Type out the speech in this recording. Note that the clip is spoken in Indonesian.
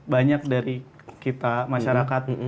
banyak dari kita masyarakat